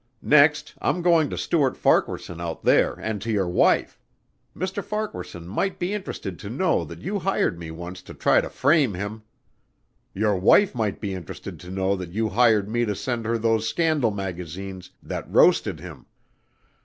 Next I'm going to Stuart Farquaharson out there and to your wife.... Mr. Farquaharson might be interested to know that you hired me once to try to frame him. Your wife might be interested to know that you hired me to send her those scandal magazines that roasted him.